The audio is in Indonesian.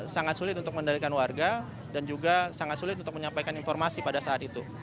sangat sulit untuk mendalikan warga dan juga sangat sulit untuk menyampaikan informasi pada saat itu